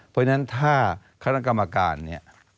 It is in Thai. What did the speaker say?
เพราะฉะนั้นถ้าคณะกรรมการเนี่ย